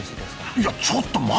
いやちょっと待てよ！